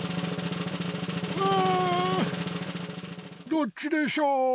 どっちでしょう？